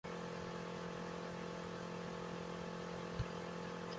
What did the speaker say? Jacinta es llevada por Timoteo a su casa, donde Simón la recibe.